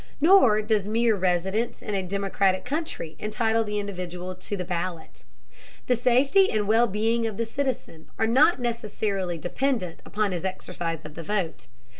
Nor does mere residence in a democratic country entitle the individual to the ballot. The safety and well being of the citizen are not necessarily dependent upon his exercise of the vote.